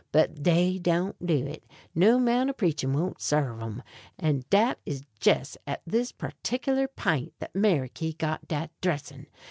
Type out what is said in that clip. But dey won't do it; no 'mount of preaching won't sarve um. And dat is jes' at this partickeler pint dat Meriky got dat dressin'.